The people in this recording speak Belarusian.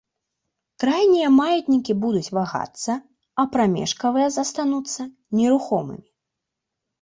Крайнія маятнікі будуць вагацца, а прамежкавыя застануцца нерухомымі.